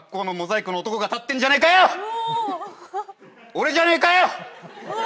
俺じゃねえかよ！